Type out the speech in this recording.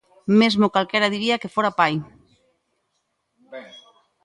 Mesmo ¡calquera diría que fora pai!